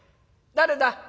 誰だ？